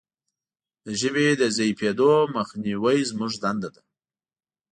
د ژبې د ضعیفیدو مخنیوی زموږ دنده ده.